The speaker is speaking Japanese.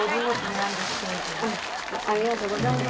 ありがとうございます。